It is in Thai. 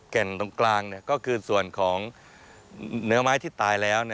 แก่นตรงกลางก็คือส่วนของเนื้อไม้ที่ตายแล้ว